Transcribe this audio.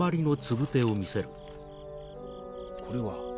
これは？